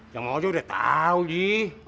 yang mau aja udah tau ji